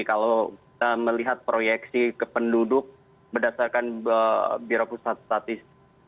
kalau kita melihat proyeksi ke penduduk berdasarkan birapusat statis